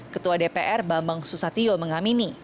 ketua dpr bambang susatyo mengamini